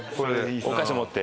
お菓子持って。